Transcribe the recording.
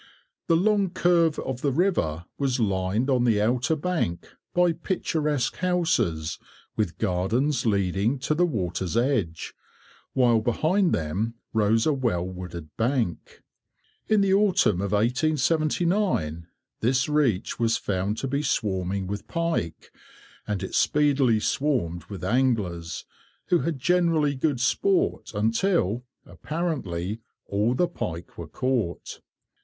The long curve of the river was lined on the outer bank by picturesque houses, with gardens leading to the water's edge, while behind them rose a well wooded bank. In the autumn of 1879 this reach was found to be swarming with pike, and it speedily swarmed with anglers, who had generally good sport until, apparently, all the pike were caught.